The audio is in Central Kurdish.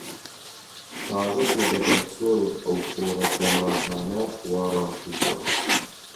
تازە تێدەگەم چۆنت ئەو قۆڕە دەماغانە وا ڕام کردووە